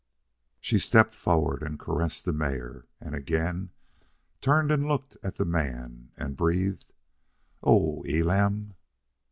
She stepped forward and caressed the mare, and again turned and looked at the man, and breathed: "Oh, Elam!"